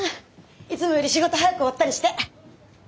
いつもより仕事早く終わったりして。